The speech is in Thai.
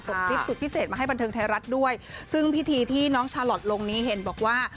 คลิปสุดพิเศษมาให้บันเทิงไทยรัฐด้วยซึ่งพิธีที่น้องชาลอทลงนี้เห็นบอกว่า